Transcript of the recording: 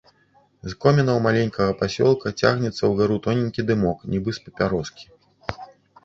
З комінаў маленькага пасёлка цягнецца ўгару тоненькі дымок, нібы з папяроскі.